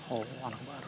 oh anak baru